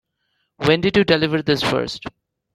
When did you deliver this first?